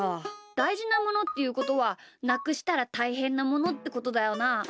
だいじなものっていうことはなくしたらたいへんなものってことだよな。